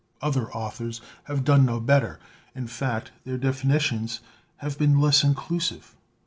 Other authors have done no better, in fact their definitions have been less inclusive.